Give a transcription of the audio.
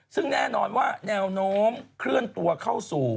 ซึ่งแน่นอนว่าแนวโน้มเคลื่อนตัวเข้าสู่